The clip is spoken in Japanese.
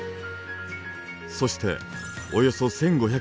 そしておよそ１，５００万年前。